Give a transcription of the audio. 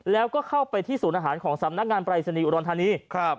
แล้วก็เข้าไปที่ศูนย์อาหารของสำนักงานปรายศนีย์อุดรธานีครับ